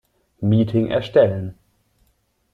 Meeting erstellen.